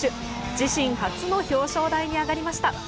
自身初の表彰台に上がりました。